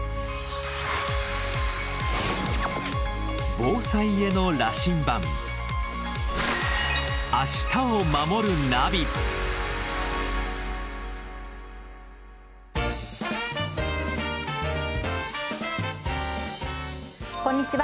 防災への羅針盤こんにちは。